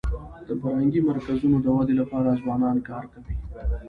د فرهنګي مرکزونو د ودي لپاره ځوانان کار کوي.